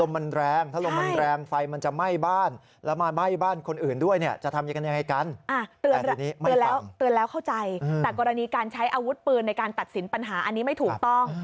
ปราณีการใช้อาวุธปืนในการตัดสินปัญหาอันนี้ไม่ถูกต้อง